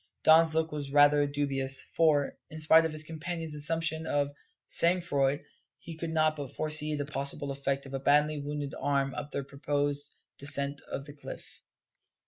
Don's look was rather dubious, for, in spite of his companion's assumption of sang froid, he could not but foresee the possible effect of a badly wounded arm upon their proposed descent of the cliff.